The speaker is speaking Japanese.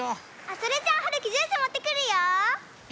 それじゃあはるきジュースもってくるよ。